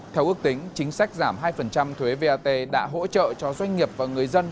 theo ước tính chính sách giảm hai thuế vat đã hỗ trợ cho doanh nghiệp và người dân